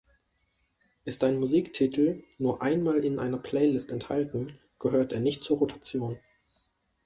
Ist ein Musiktitel nur einmal in einer Playlist enthalten, gehört er nicht zur Rotation.